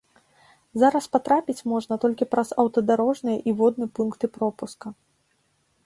Зараз патрапіць можна толькі праз аўтадарожныя і водны пункты пропуска.